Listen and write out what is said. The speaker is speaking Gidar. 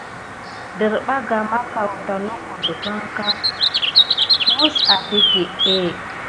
Desbarga makuata noko ɗegamɓa wusi aɗak é.